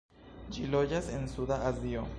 Ĝi loĝas en Suda Azio.